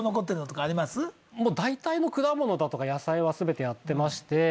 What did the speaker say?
だいたいの果物だとか野菜は全てやってまして。